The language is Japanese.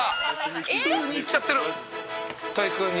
普通に行っちゃってる体育館に」